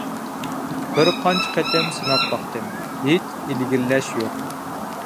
بىر قانچە قېتىم سىناپ باقتىم، ھېچ ئىلگىرىلەش يوق!